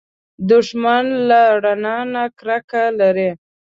دښمن له رڼا نه کرکه لري